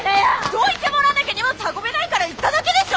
どいてもらわなきゃ荷物運べないから言っただけでしょ！